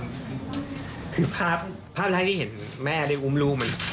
คือภาพแรกที่เห็นแม่ได้อุ้มลูกมัน